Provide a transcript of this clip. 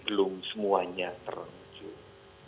belum semuanya terunjuk